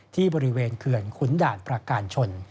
ที่บริเวณเขื่อนขุนด่านประการชน